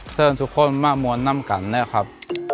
เซิร์ตทุกคนมามวลนั่มกันนะครับ